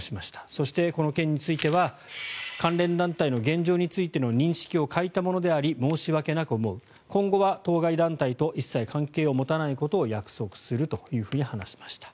そして、この件については関連団体の現状についての認識を欠いたものであり申し訳なく思う今後は当該団体と一切関係を持たないことを約束すると話しました。